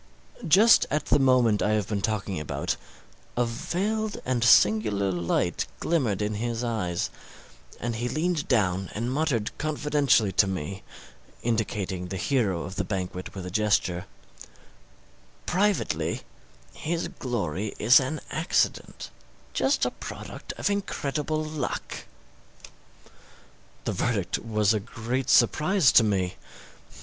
Just at the moment I have been talking about, a veiled and singular light glimmered in his eyes, and he leaned down and muttered confidentially to me indicating the hero of the banquet with a gesture, 'Privately his glory is an accident just a product of incredible luck.' This verdict was a great surprise to me.